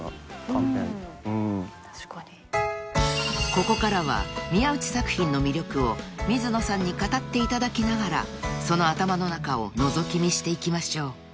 ［ここからは宮内作品の魅力を水野さんに語っていただきながらその頭の中をのぞき見していきましょう］